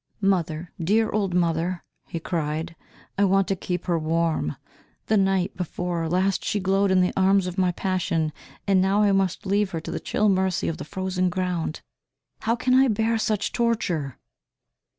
"Mother, dear old mother," he cried, "I want to keep her warm; the night before last she glowed in the arms of my passion, and now I must leave her to the chill mercy of the frozen ground. How can I bear such torture?"